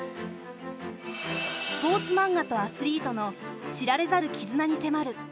スポーツマンガとアスリートの知られざる絆に迫る